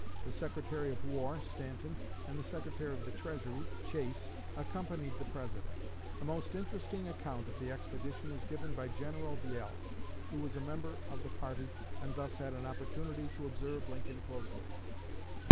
The Secretary of War (Stanton) and the Secretary of the Treasury (Chase) accompanied the President. A most interesting account of the expedition is given by General Viele, who was a member of the party and thus had an opportunity to observe Lincoln closely.